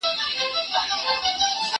مرگ نه پر واړه دئ، نه پر زاړه.